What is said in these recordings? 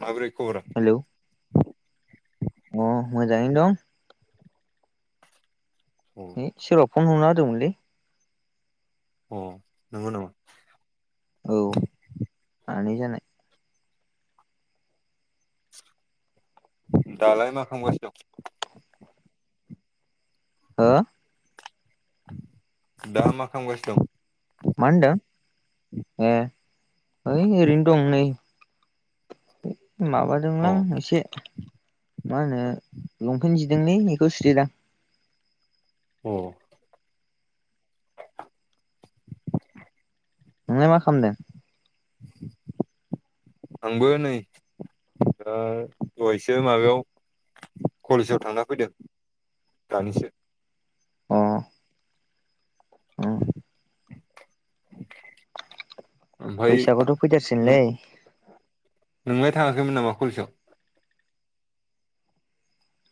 माबोरै खबरा हेलौ अ मोजाङैनो दं अ है सोरबा फन हरना होदोंमोनलै अ नंगौ नामा औ आनै जानाय दालाय मा खालामागासिनो दं हो दा मा खालामगासिनो दं मा होनदों ए है ओरैनो दं नै अ माबादोंलां एसे मा होनो लंपेन्ट जिदोंलै बेखौ सुथेदों आं अ नोंलाय मा खालामदों? आंबो नै दा ओ दहायसो माबायाव कलेजाव थांना फैदों दानिसो अ औ ओमफ्राय बैसागोथ' फैथारसिगोनलै नोंलाय थाङाखैमोन नामा कलेजाव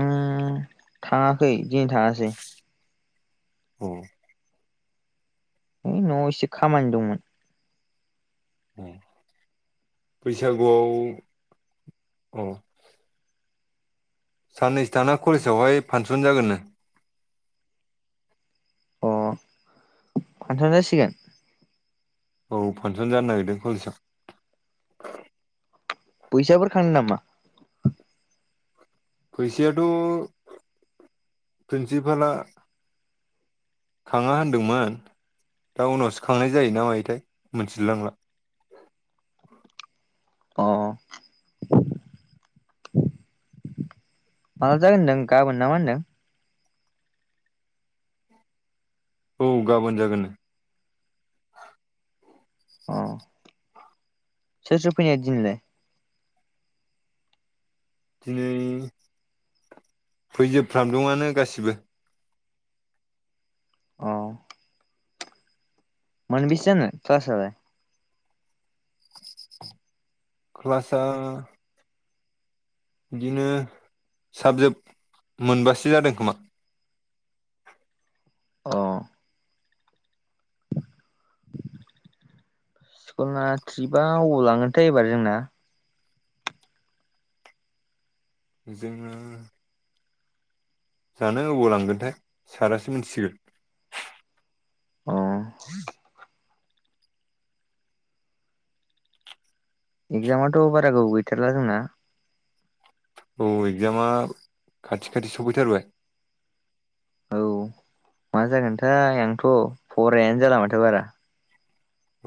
आं थाङाखै दिनै थाङासै उम है न'आव एसे खामानि दंमोन बैसागुआव औ साननैसो थाङा कलेजावहाय फांसन जागोन नो फानसन जासिगोन औ फांसन जानो नागिरदों कलेजाव फैसाफोर खांङो नामा फैसायाथ' प्रिन्सिपाला खाङा होनदोंमोन दा उनावसो खांनाय जायोना मायोथाय मिथिलायलांला अह माला जागोन होनदों गाबोन नामा होनदों? औ गाबोन जागोन नो अ सोर सोर फैया दिनैलाय? दिनै फैजोबफ्राम दङआनो गासिबो अ मोन बिसे जानाय क्लासालाय? क्लासा बिदिनो साबजेक्ट मोनबासो जादों खोमा। अ स्कुलना थट्रिपआ अबाव लांगोनथाय एबार जोंना? जोङो जानो अबाव लांगोनथाय सारासो मिथिगोन। अ [inaudible] एगजामाथ बारा गोबाव गैथारला जोंना? औ एक्जामा खाथि खाथि सफैथारबाय औ मा जागोनथाय आंथ' फरायानो जाला माथो बारा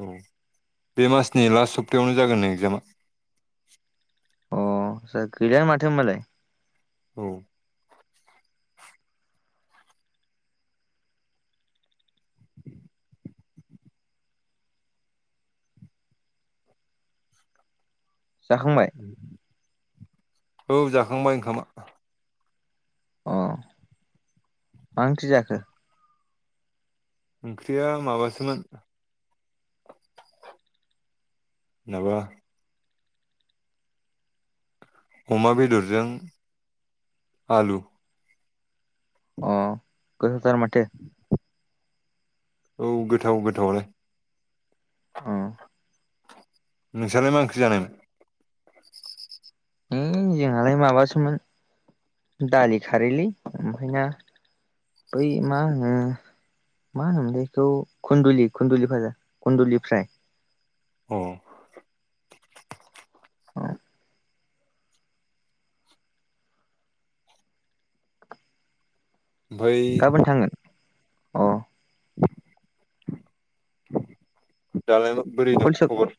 औ बे मासनि लास्ट सप्तायावनो जागोननो एगजामा अ जा गैया माथो होमबालाय औ जाखांबाय औ जाखांबाय ओंखामा अ मा ओंख्रि जाखो? ओंख्रिया माबासोमोन माबा अमा बेदरजों आलु अ गोैथावथार माथो औ गोथाव गोथावलाय औ नोंस्रालाय मा ओंख्रि जानाय? हैइ जोंहालाय माबासोमोन दालि खारैलै ओमफ्राय ना बै मा होनो मा होनोमोनथाय बेखौ खुन्दुलि खुन्दुलि भाजा खुन्दुलिफ्राय अ ओमफ्राय गाबोन थांगोन अ दालाय बोरै दं कलसो खबर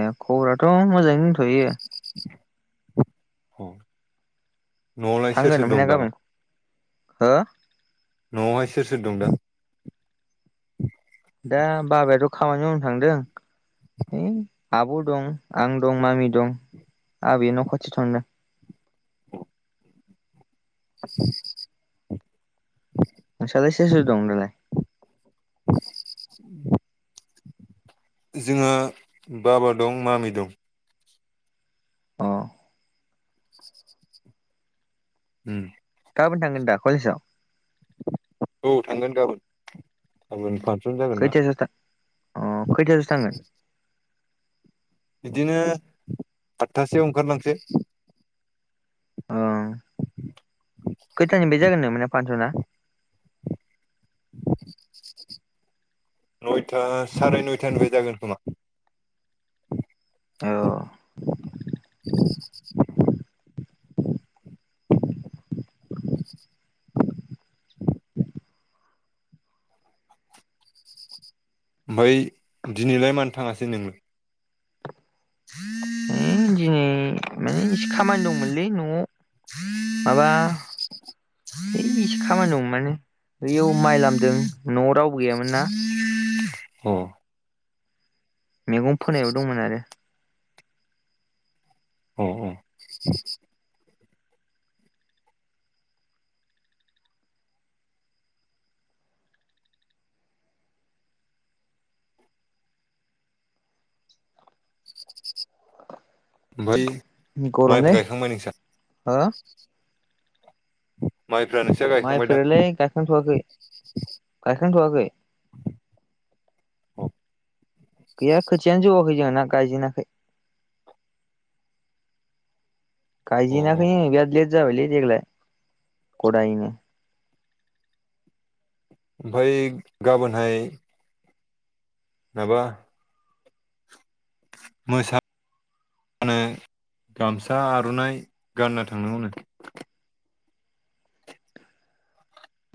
ए खबराथ' मोजाङै दथ'यो न'आवलाय सोर थांगोन सोर ओमफ्राय दं ना दालाय? गाबोन हो न'आवहाय सोर सोर दं दा? दा बाबायाथ' खामानि मावनो थांदों है आब' दं आं दं मामि दं आबै न' खाथि थांदों औ [unintelligible] नों सालाय सोर सोर दं दालाय? [inaudible] जोंङो बाबा दं मामि दं अ ओह गाबोन थांगोन दा कलेजाव? औ थांगोन गाबोन गाबोन बां सन जागोन ना खैथासोआव थां अ खैथासोआव थांगोन बिदिनो आतथासेआव ओंखारलांसै अ खैथानि बे जागोन नों मोना फानस'ना? [inaudible] नयथा साराय नयथानिफ्राय जागोन खोमा औ [unintelligible] ओमफफ्राय दिनैलाय मानो थाङासै नोंङो? [unintelligible] दिनै माने एसे खामानि दंमोनलै न'आव माबा है इसे खामानि दं मानो बैयाव माइ लामदों न'आव रावबो गैयामोन ना औ मैगं फोनायबो दंमोन आरो औ औ ओमफ्राय माइफ्रा गरमलै गायखांबाय नोंसा? हो माइफ्रा नोंस्रा गायखांबाय दा माइफोरालाय गायखांथ'वाखै गायखांथ'वाखै गैया खोथियानो जौाखै जों ना गायजेनाखै अ अ गायजेनाखैनो बिराद लेथ जाबायलै देग्लाय गदायनो ओमफफ्राय गाबोनहाय माबा मोसा मानो गामसा आर'नाइ गाननो थांनो मोनो?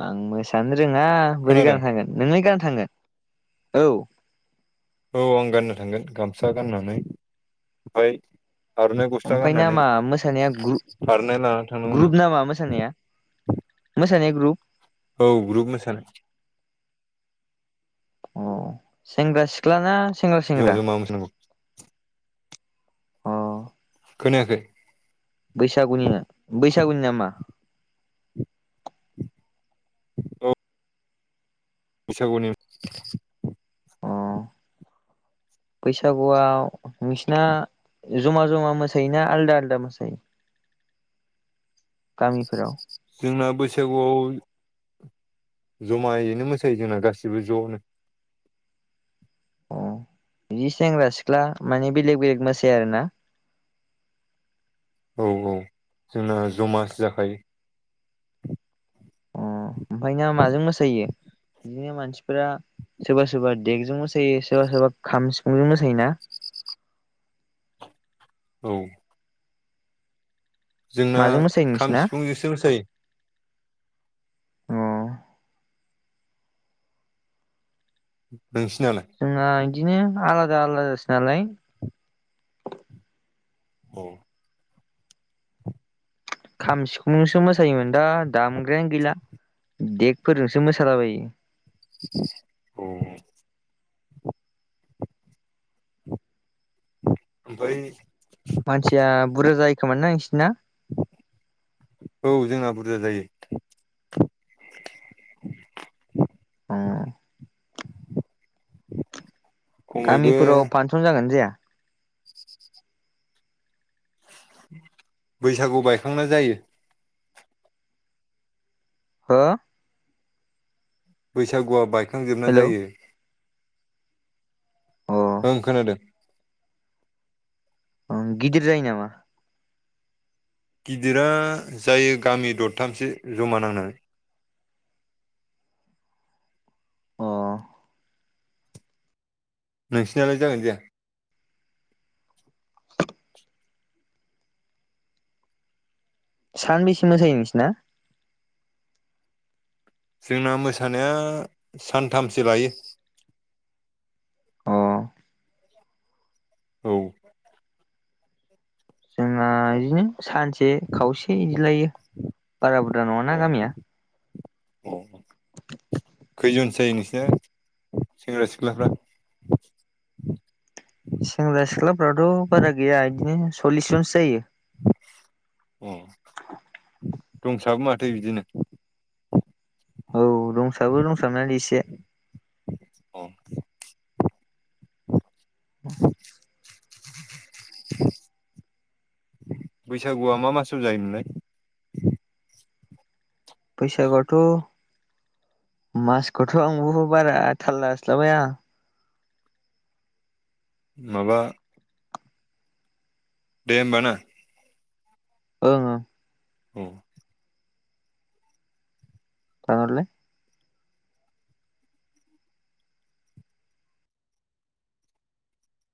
आं मोसानोनो रोङा बोरै खोनादों गान थांगोन नोंलाय गान थाङो औ औ आं गाननो थांगोन गामसा गाननानै ओमफ्राय आर'नाइ गस्ला ओमफफ्राय गाननानै नामा मोसानाया आर'नाइ लाना थांनांगौनो गु-ग्रुप नामा मोसानाया मोसानाया ग्रुप औ ग्रुप मोसानाय अ सेंग्रा सिख्लाना जमा जमा मोसानांगौ अ खोनायाखै बैसागुनि बैसागुनि नामा अ बैसागुनि अ बैसागुआव नोंसिना जमा जमा मोसायोना आलदा आलदा मोसायो गामिफोराव जोंना बैसागुआव जमायैनो मोसायो जोंना गासिबो ज'नो अ बिदि सेंग्रा सिख्ला माने बेलेग बेलेग मोसाया आरोना [inaudible] औ औ जोंना जमासो जाखायो अ ओमफाय नोंहा माजों मोसायो बिदिनो मानसिफोरा सोरबा सोरबा देगजों मोसायो सोरबा सोरबा खाम सिफुंजों मोसायोना [inaudible] औ जोंना माजों मोसायो खाम नोंसिना सिफुंजोंसो मोसायो अ नोंसिनालाय जोंना इदिनो आलादा आलादासो नालाय औ खाम सिफुंजोंसो मोसायोमोन दा दामग्रायानो गैला देगफोरजोंसो मोसालाबायो अ बै मानसिया बुरजा जायोखोमा ना नोंसिना औ जोंना बुरजा जायो [inaudible] अ खमैबो गामिफोराव फानसन जागोना जाया बैसागु बायखांना जायो हो बैसागुआ बायखांजोबना हेलौ जायो ओं खोनादों ओं गिदिर जायो नामा गिदिरा जायो गामि दरथामसो जमा नांनानै अ नोंसिनालाय जागोना जाया सान बेसे मोसायो नोंसिना जोंना मोसानाया सानथामसो लायो अ औ जोंना इदिनो सानसे खावसे इदिलायो बारा बुरजा नङाना गामिया औ [inaudible] खैजनसो जायो नोंसिना सेंग्रा सिख्लाफ्रा सेंग्रा सिख्लाफ्राथ' बारा गैया इदिनो सल्लिस जनसो जायो अ दंसाबो माथो बिदिनो औ दंसाबो दंसाबनायालाय एसे औ [inaudible] बैसागुआ मा मासआव जायोमोनलाय बैसागुआथ' मासखौथ' आंबो बारा थाल लास्लाबाया माबा। दे होमबाना। ओं ओं। औ। दानहरलाय।